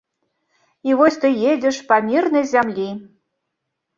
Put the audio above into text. І вось ты едзеш па мірнай зямлі.